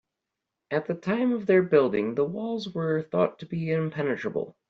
At the time of their building, the walls were thought to be impenetrable.